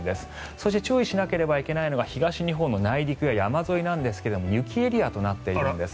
そして注意しなければいけないのが東日本の内陸や山沿いですが雪エリアとなっているんです。